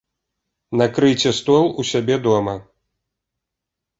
Накрыйце стол у сябе дома.